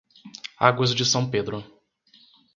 Águas de São Pedro